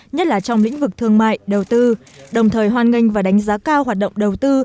nhất là trong lĩnh vực thương mại đầu tư đồng thời hoan nghênh và đánh giá cao hoạt động đầu tư